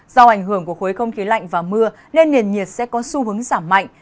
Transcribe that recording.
do ảnh hưởng của khối không khí lạnh và mưa nên nền nhiệt sẽ có xu hướng giảm mạnh